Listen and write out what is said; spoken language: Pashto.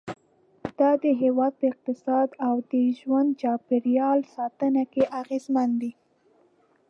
دا د هېواد په اقتصاد او د ژوند چاپېریال ساتنه کې اغیزمن دي.